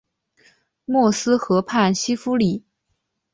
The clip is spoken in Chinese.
默斯河畔西夫里。